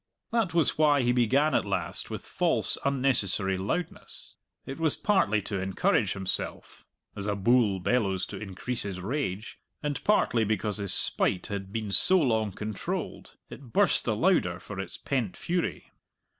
That was why he began at last with false, unnecessary loudness. It was partly to encourage himself (as a bull bellows to increase his rage), and partly because his spite had been so long controlled. It burst the louder for its pent fury.